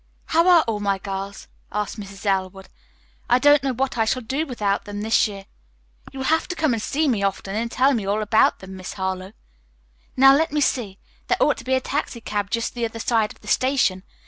"How are all my girls?" asked Mrs. Elwood. "I don't know what I shall do without them this year. You will have to come and see me often and tell me all about them, Miss Harlowe. Now let me see. There ought to be a taxicab just the other side of the station.